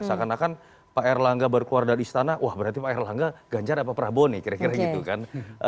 seakan akan pak erlangga baru keluar dari istana wah berarti pak erlangga ganjar apa prabowo nih kira kira gitu kan